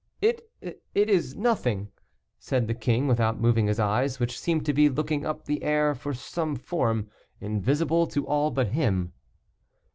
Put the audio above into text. "It it is nothing," said the king, without moving his eyes, which seemed to be looking up the air for some form invisible to all but him.